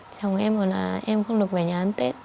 chồng em gọi là em không được về nhà ăn tết